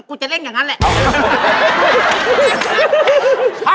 กูจะเล่นอย่างนั้นแหละ